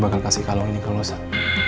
ga bakal kasih kalung nik donated ke lo sah